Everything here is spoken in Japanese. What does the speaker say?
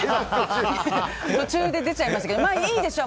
途中で出ちゃいますけどまあ、いいでしょう。